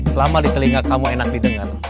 selama di telinga kamu enak didengar